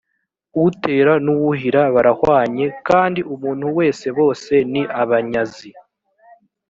utera n uwuhira barahwanye kandi umuntu wesebose ni abanyazi